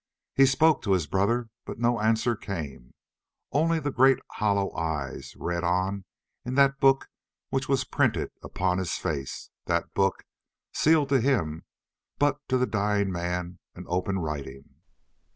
He spoke to his brother, but no answer came,—only the great hollow eyes read on in that book which was printed upon his face; that book, sealed to him, but to the dying man an open writing.